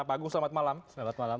pak agung selamat malam selamat malam